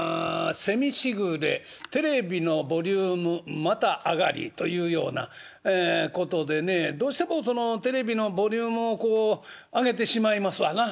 「せみしぐれテレビのボリュームまた上がり」というようなことでねどうしてもそのテレビのボリュームをこう上げてしまいますわな。